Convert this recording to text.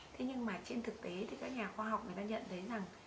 thế nhưng mà trên thực tế thì các nhà khoa học người ta nhận thấy rằng